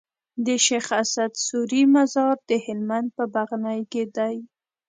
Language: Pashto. د شيخ اسعد سوري مزار د هلمند په بغنی کي دی